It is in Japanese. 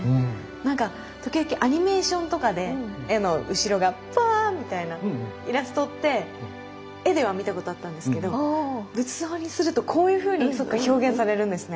なんか時々アニメーションとかで絵の後ろがパーッみたいなイラストって絵では見たことあったんですけど仏像にするとこういうふうに表現されるんですね。